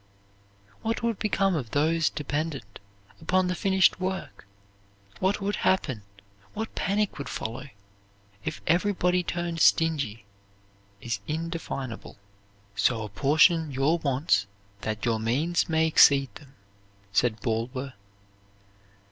What would become of those dependent upon the finished work? What would happen, what panic would follow, if everybody turned stingy, is indefinable. "So apportion your wants that your means may exceed them," says Bulwer.